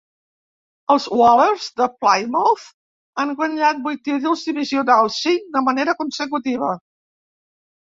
Els Whalers de Plymouth han guanyat vuit títols divisionals, cinc de manera consecutiva.